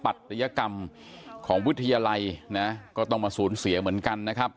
ัตยกรรมของวิทยาลัยนะก็ต้องมาสูญเสียเหมือนกันนะครับ